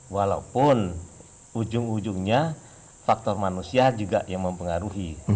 walaupun ujung ujungnya faktor manusia juga yang mempengaruhi